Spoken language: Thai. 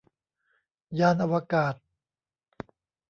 ยานอวกาศ